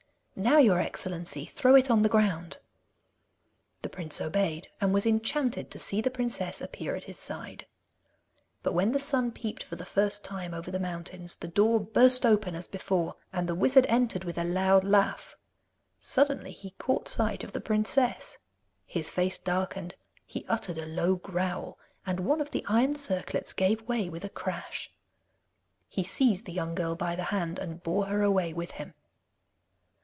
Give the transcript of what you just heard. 'Now, your excellency, throw it on the ground.' The prince obeyed, and was enchanted to see the princess appear at his side. But when the sun peeped for the first time over the mountains, the door burst open as before, and the wizard entered with a loud laugh. Suddenly he caught sight of the princess; his face darkened, he uttered a low growl, and one of the iron circlets gave way with a crash. He seized the young girl by the hand and bore her away with him.